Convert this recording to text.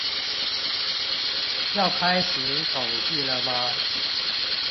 要開始統計了嗎？